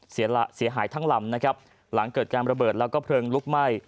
เสียหายทั้งลำนะครับหลังเกิดการระเบิดแล้วก็เพลิงลุกไหม้